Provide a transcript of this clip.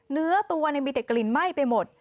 เนื้อตัวมีแต่กลิ่นไหม้ไปหมด